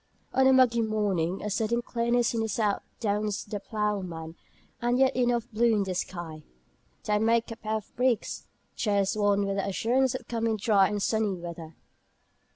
On a muggy morning a sudden clearness in the south "drowns the ploughman." And yet enough blue in the sky "tae mak' a pair o' breeks" cheers one with the assurance of coming dry and sunny weather.